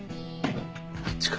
こっちか。